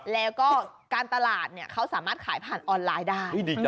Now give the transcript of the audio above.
แล้วก็การตลาดเขาสามารถขายผ่านออนไลน์ได้